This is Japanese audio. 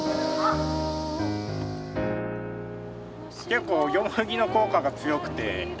結構ヨモギの効果が強くて。